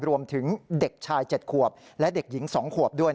รวมถึงเด็กชาย๗ขวบและเด็กหญิง๒ขวบด้วย